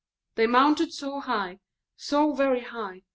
They flew so high, so very high!